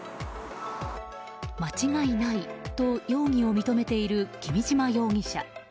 間違いないと容疑を認めている君島容疑者。